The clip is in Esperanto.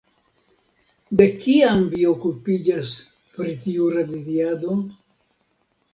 De kiam vi okupiĝas pri tiu reviziado?